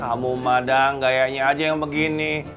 kamu madang gayanya aja yang begini